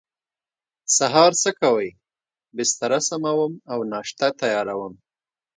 سهار څه کوئ؟ بستره سموم او ناشته تیاروم